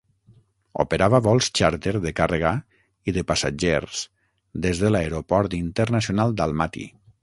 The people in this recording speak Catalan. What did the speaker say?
Operava vols xàrter de càrrega i de passatgers des de l'aeroport internacional d'Almaty.